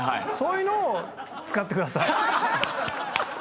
そういうのを使ってください。